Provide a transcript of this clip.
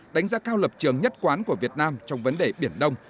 đánh giá cao lập trường nhất quán của việt nam trong vấn đề biển đông